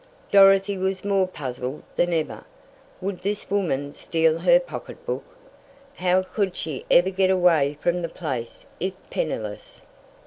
Dorothy was more puzzled than ever. Would this woman steal her pocketbook? How could she ever get away from the place if penniless?